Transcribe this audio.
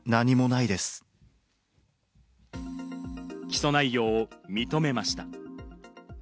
起訴内容を認めました。